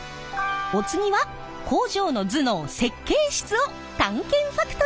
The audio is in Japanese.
お次は工場の頭脳設計室を探検ファクトリー。